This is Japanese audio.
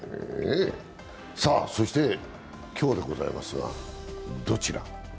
そして今日でございますが、どちら？